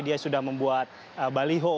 dia sudah membuat baliho